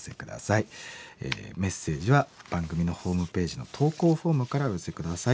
メッセージは番組のホームページの投稿フォームからお寄せ下さい。